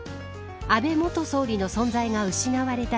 安倍元総理の存在が失われた